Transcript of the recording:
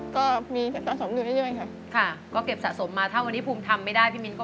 ก็มีกับสะสมดื่มเรื่อยค่ะ